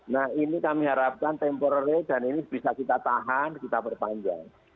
nah ini kami harapkan temporary dan ini bisa kita tahan kita perpanjang